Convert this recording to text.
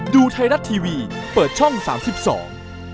เดี๋ยวดื่มน้ำสิงห์ก่อน